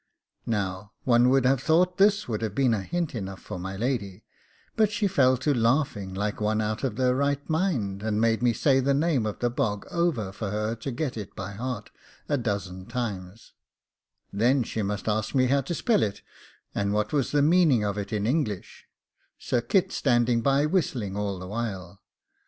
Now one would have thought this would have been hint enough for my lady, but she fell to laughing like one out of their right mind, and made me say the name of the bog over, for her to get it by heart, a dozen times; then she must ask me how to spell it, and what was the meaning of it in English Sir Kit standing by whistling all the while.